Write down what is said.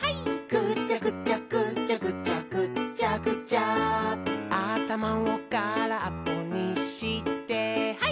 「ぐちゃぐちゃぐちゃぐちゃぐっちゃぐちゃ」「あたまをからっぽにしてハイ！」